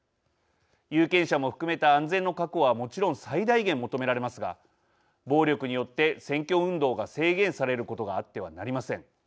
有権者も含めた安全の確保はもちろん最大限求められますが暴力によって選挙運動が制限されることがあってはなりません。